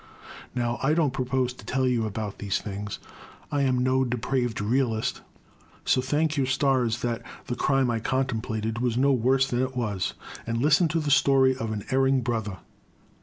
Now I don't propose to tell you about these 268 The Crime. things, I am no depraved realist, so thank your stars that the crime I contemplated was no worse than it was, and listen to the story of an erring brother.